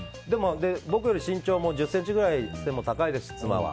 僕より身長も１０ｃｍくらい背も高いです、妻は。